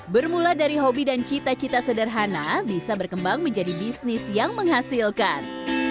bermula dari hobi dan cita cita sederhana bisa berkembang menjadi bisnis yang menghasilkan